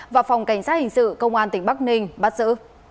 và phòng cảnh sát hình sự công an tỉnh bắc ninh bắt giữ